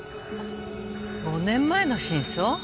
５年前の真相？